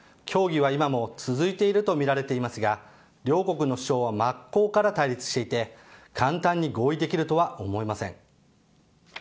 協議は今も続いているとみられていますが両国の主張は真っ向から対立していて簡単に合意できるとは思いません。